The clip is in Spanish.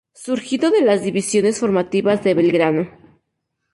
Surgido de las divisiones formativas de Belgrano.